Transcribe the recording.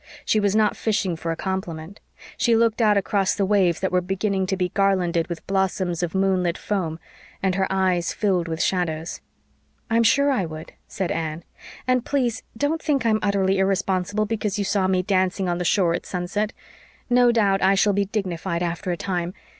She was not fishing for a compliment. She looked out across the waves that were beginning to be garlanded with blossoms of moonlit foam, and her eyes filled with shadows. "I'm sure I would," said Anne. "And please don't think I'm utterly irresponsible because you saw me dancing on the shore at sunset. No doubt I shall be dignified after a time.